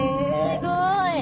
すごい。